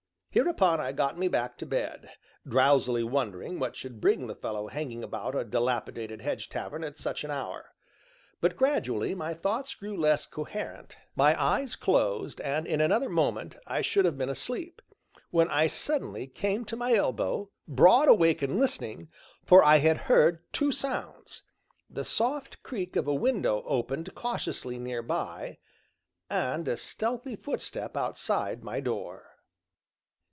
Hereupon I got me back to bed, drowsily wondering what should bring the fellow hanging about a dilapidated hedge tavern at such an hour. But gradually my thoughts grew less coherent, my eyes closed, and in another moment I should have been asleep, when I suddenly came to my elbow, broad awake and listening, for I had heard two sounds, the soft creak of a window opened cautiously near by, and a stealthy footstep outside my door.